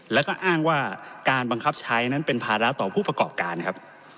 แล้วก็อ้างว่าการบังคับใช้นั้นเป็นภาระต่อผู้ประกอบการครับ